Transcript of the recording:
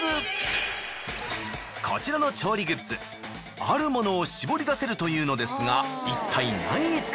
こちらの調理グッズあるものを絞りだせるというのですが。